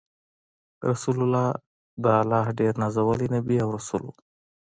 رسول الله ص د الله ډیر نازولی نبی او رسول وو۔